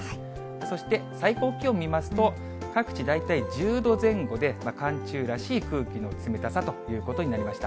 そして、最高気温見ますと、各地大体１０度前後で寒中らしい空気の冷たさということになりました。